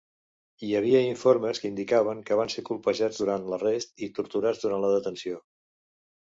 Hi havia informes que indicaven que van ser colpejats durant l'arrest i torturats durant la detenció.